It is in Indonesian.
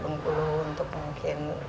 bengkulu untuk mungkin